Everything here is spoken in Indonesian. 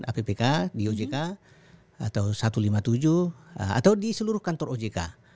appk di ojk atau satu ratus lima puluh tujuh atau di seluruh kantor ojk